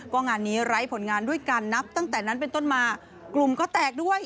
งานนี้ไร้ผลงานด้วยการนับตั้งแต่นั้นเป็นต้นมากลุ่มก็แตกด้วย